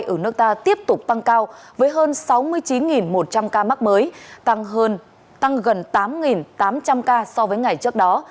ở nước ta tiếp tục tăng cao với hơn sáu mươi chín một trăm linh ca mắc mới tăng gần tám tám trăm linh ca so với ngày trước đó